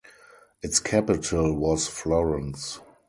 Its capital was Florence.